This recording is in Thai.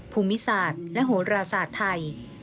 ภูมิศาสตร์และโหราศาสตร์ไทย